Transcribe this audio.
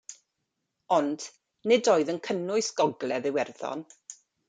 Ond, nid oedd yn cynnwys Gogledd Iwerddon.